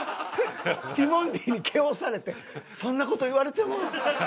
ティモンディに気圧されて「そんな事言われても」。